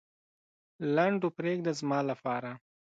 لنډو پرېږده زما لپاره.